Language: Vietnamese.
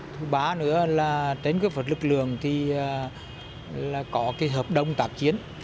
thứ ba nữa là trên cơ phật lực lượng thì có hợp đồng tạp chiến